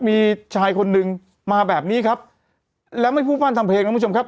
มีชายคนนึงมาแบบนี้ครับแล้วไม่พูดปั้นทำเพลงนะคุณผู้ชมครับ